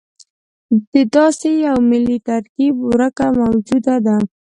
د داسې یوه ملي ترکیب ورکه موجوده ده.